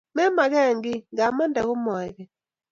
memagee kiiy ngamande komaek keny